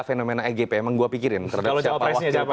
fenomena egp memang saya pikirkan terhadap siapa